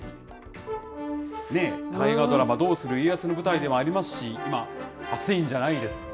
ねぇ、大河ドラマ、どうする家康の舞台でもありますし、熱いんじゃないですか。